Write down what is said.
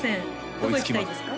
どこ行きたいですか？